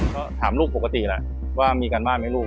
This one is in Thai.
ก็ถามลูกปกติแหละว่ามีการบ้านไหมลูก